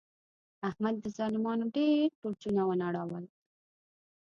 احمد د ظالمانو ډېر برجونه و نړول.